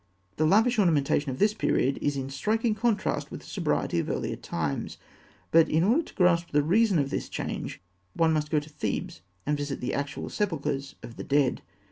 The lavish ornamentation of this period is in striking contrast with the sobriety of earlier times; but in order to grasp the reason of this change, one must go to Thebes, and visit the actual sepulchres of the dead.